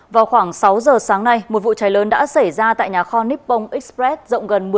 vào khoảng sáu giờ sáng nay một vụ cháy lớn đã xảy ra tại nhà kho nippon express rộng gần một mươi